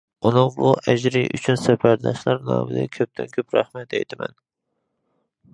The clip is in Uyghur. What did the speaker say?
ئۇنىڭ بۇ ئەجرى ئۈچۈن سەپەرداشلار نامىدىن كۆپتىن-كۆپ رەھمەت ئېيتىمەن.